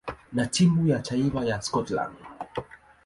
na timu ya taifa ya Scotland.